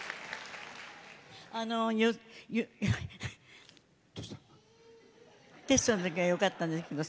あのテストのときはよかったんですけど。